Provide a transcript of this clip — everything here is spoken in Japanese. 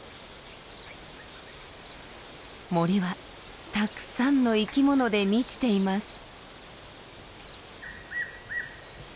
森はたくさんの生き物で満ちています。